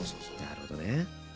なるほどね。